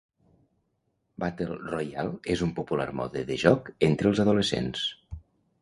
Battle Royale és un popular mode de joc entre els adolescents.